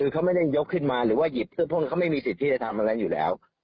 คือเขาไม่ได้ยกขึ้นมาหรือว่าหยิบเพื่อเขาไม่มีสิทธิ์ที่จะทำอะไรอยู่แล้ว